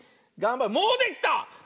もうできた！